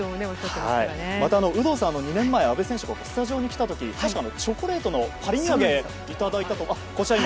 また、有働さんは２年前阿部選手がスタジオに来た時確かチョコレートをいただいて。